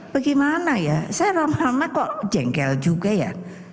bagaimana ya saya ramah ramah kok jengkel juga ya